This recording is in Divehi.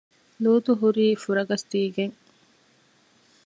ލޫޠު ހުރީ ފުރަގަސްދީގެން